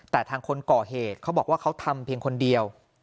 แต่ทางคนก่อเหตุเขาบอกว่าเขาทำเพียงคนเดียว